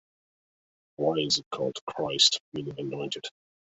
Why is he called "Christ," meaning "anointed"?